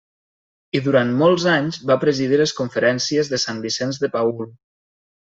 I durant molts anys va presidir les Conferències de Sant Vicenç de Paül.